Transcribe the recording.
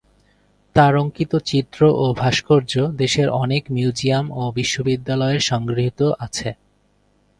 তার অঙ্কিত চিত্র ও ভাস্কর্য দেশের অনেক মিউজিয়াম ও বিশ্ববিদ্যালয়ের সংগৃহীত আছে।